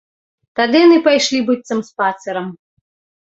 Тады яны пайшлі быццам спацырам.